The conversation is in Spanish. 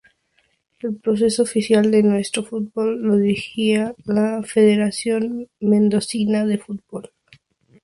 El proceso oficial de nuestro fútbol lo dirigía la "Federación Mendocina de Fútbol".